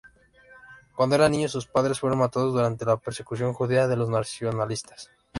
Cuando era niño, sus padres fueron matados durante la persecución judía de los nacionalsocialistas.